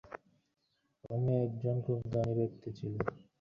অনন্ত প্রেম ও করুণা বুকে নিয়ে শত শত বুদ্ধের আবির্ভাব প্রয়োজন।